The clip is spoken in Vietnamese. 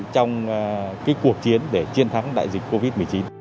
trong cuộc chiến để chiến thắng đại dịch covid một mươi chín